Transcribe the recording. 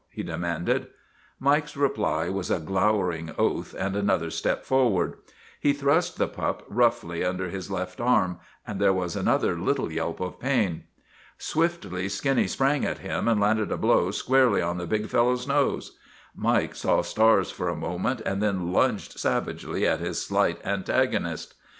" he demanded. Mike's reply was a glowering oath and another step forward. He thrust the pup roughly under his left arm, and there was another little yelp of pain. Swiftly Skinny sprang at him and landed a blow squarely on the big fellow's nose. Mike saw stars for a moment, and then lunged savagely at his slight antagonist.